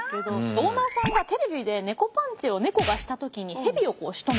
オーナーさんがテレビでネコパンチをネコがした時にヘビをしとめた。